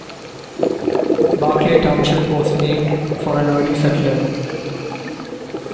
Barclay Township was named for an early settler.